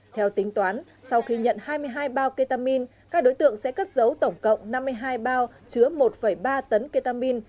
theo tính toán sau khi nhận hai mươi hai bao ketamin các đối tượng sẽ cất giấu tổng cộng năm mươi hai bao chứa một ba tấn ketamin